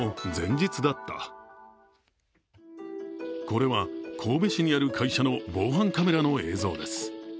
これは、神戸市にある会社の防犯カメラの映像です。